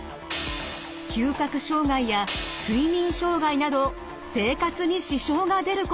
嗅覚障害や睡眠障害など生活に支障が出ることも。